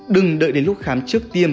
đừng đợi đến lúc khám trước tiêm